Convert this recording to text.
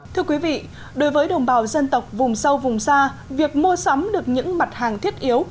thưa quý vị đối với đồng bào dân tộc vùng sâu vùng xa việc mua sắm được những mặt hàng thiết yếu